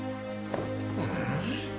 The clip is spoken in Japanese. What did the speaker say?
うん？